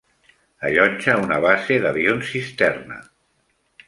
Allotja una base d'avions cisterna.